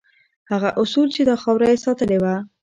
هغه اصول چې دا خاوره یې ساتلې وه.